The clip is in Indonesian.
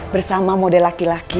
bersama model laki laki